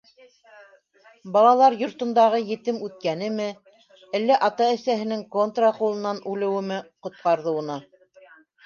Балалар йортондағы етем үткәнеме, әллә ата-әсәһенең контра ҡулынан үлеүеме ҡотҡарҙы уны?..